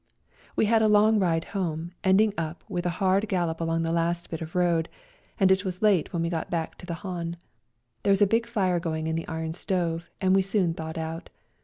We had a long ride home, ending up with a hard gallop along the last bit of road, and it was late when we got back to 60 A RIDE TO KALABAC the hahn. There was a big fire going in the iron stove, and we soon thawed out.